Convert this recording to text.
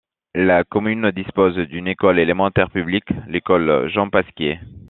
La commune dispose d'une école élémentaire publique, l'école Jean-Pasquier.